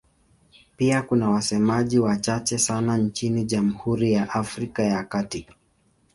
Pia kuna wasemaji wachache sana nchini Jamhuri ya Afrika ya Kati.